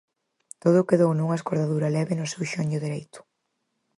Todo quedou nunha escordadura leve no seu xeonllo dereito.